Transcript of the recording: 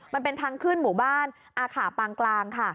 มันเป็นทางขึ้นหมู่บ้านอาขาปางกลางค่ะ